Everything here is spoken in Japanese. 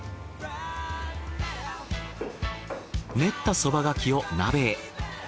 練ったそばがきを鍋へ。